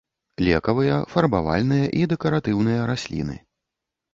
Лекавыя, фарбавальныя і дэкаратыўныя расліны.